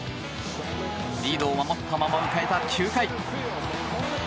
リードを守ったまま迎えた９回。